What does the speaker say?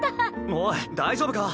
おい大丈夫か？